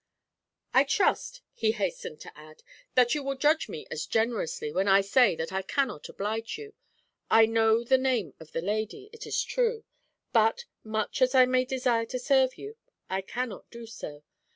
'I trust,' he hastened to add, 'that you will judge me as generously when I say that I cannot oblige you. I know the name of the lady, it is true; but, much as I may desire to serve you, I cannot do so.